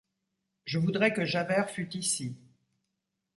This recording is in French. Je voudrais que Javert fût ici.